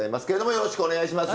よろしくお願いします。